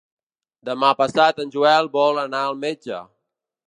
Demà passat en Joel vol anar al metge.